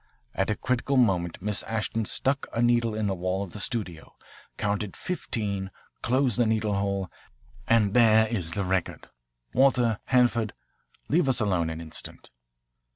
At a critical moment Miss Ashton stuck a needle in the wall of the studio, counted fifteen closed the needle hole, and there is the record Walter, Hanford, leave us alone an instant."